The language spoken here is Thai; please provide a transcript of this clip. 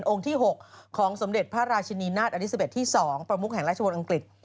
ที่๖ของสมเด็จพระราชินีนาฏอลิซาเบ็ดที่๒ประมุกแห่งราชบนอังกฤษ